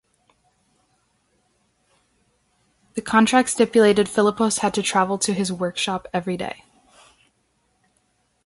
The contract stipulated Filippos had to travel to his workshop every day.